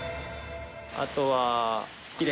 あとは。